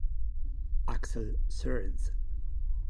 Aksel Sørensen